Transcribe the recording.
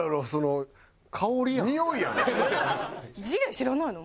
知らないの？